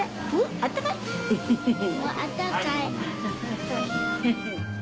温かい。